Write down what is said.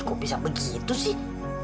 kok bisa begitu sih